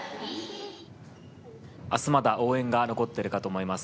明日、まだ応援が残っているかと思います。